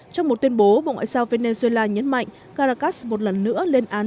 trong một tuyên bố bộ ngoại giao venezuela nhấn mạnh caracas một lần nữa lên án